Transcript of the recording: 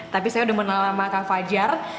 tapi saya sudah menelan sama kak fajar